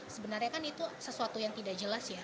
sebenarnya kan itu sesuatu yang tidak jelas ya